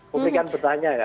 publik kan bertanya ya